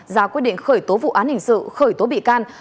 ra quyết định khởi tố vụ án hình sự khởi tố bị can